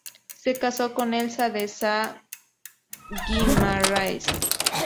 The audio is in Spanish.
Se casó con Elza de Sá Guimarães.